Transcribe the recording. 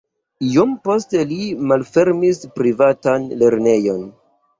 Iom poste li malfermis privatan lernejon.